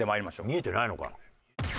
見えてないのかな？